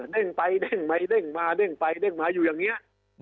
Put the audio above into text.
เด้งไปเด้งไปเด้งมาเด้งไปเด้งมาอยู่อย่างนี้